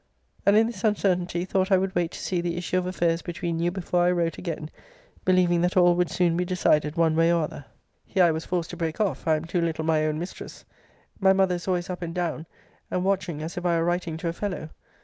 And in this uncertainty thought I would wait to see the issue of affairs between you before I wrote again; believing that all would soon be decided one way or other. [Here I was forced to break off. I am too little my own mistress: My mother* is always up and down and watching as if I were writing to a fellow.